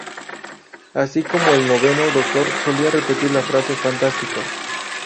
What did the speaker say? Así como el Noveno Doctor solía repetir la frase "¡Fantástico!